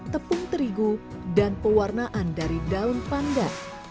tepung terigu dan pewarnaan dari daun pandan